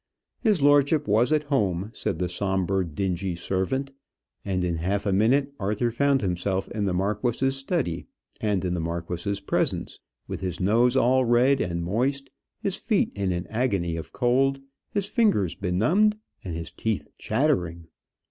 His lordship was at home, said the sombre, dingy servant, and in half a minute Arthur found himself in the marquis's study and in the marquis's presence, with his nose all red and moist, his feet in an agony of cold, his fingers benumbed, and his teeth chattering.